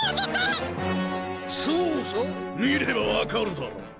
そうさ見れば分かるだろ。